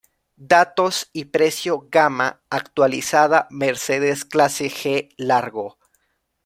Datos y precios gama actualizada Mercedes Clase G Largo